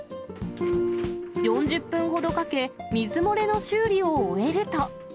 ４０分ほどかけ、水漏れの修理を終えると。